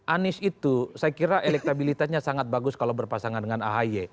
anies itu saya kira elektabilitasnya sangat bagus kalau berpasangan dengan ahy